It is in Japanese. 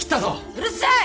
うるさい！